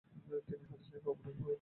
তিনি হাদিস নিয়েই আগ্রহী হয়ে পড়েন।